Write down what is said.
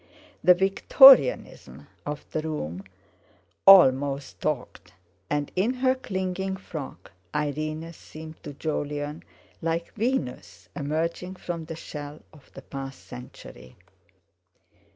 The Victorianism of the room almost talked; and in her clinging frock Irene seemed to Jolyon like Venus emerging from the shell of the past century.